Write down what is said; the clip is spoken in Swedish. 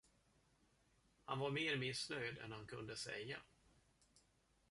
Har var mer missnöjd, än han kunde säga.